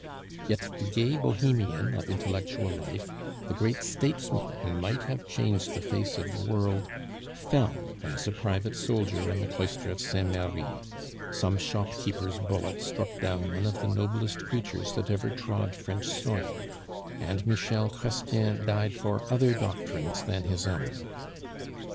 Yet the gay bohemian of intellectual life, the great statesman who might have changed the face of the world, fell as a private soldier in the cloister of Saint Merri; some shopkeeper's bullet struck down one of the noblest creatures that ever trod French soil, and Michel Chrestien died for other doctrines than his own.